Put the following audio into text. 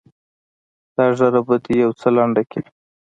دا ږيره به دې يو څه لنډه کې.